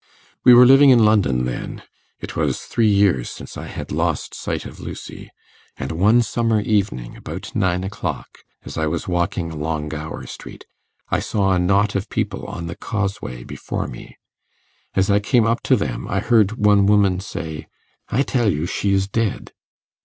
We were living in London then; it was three years since I had lost sight of Lucy; and one summer evening, about nine o'clock, as I was walking along Gower Street, I saw a knot of people on the causeway before me. As I came up to them, I heard one woman say, "I tell you, she is dead."